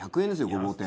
ごぼう天。